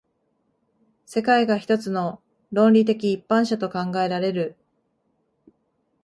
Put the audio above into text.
世界が一つの論理的一般者と考えられる。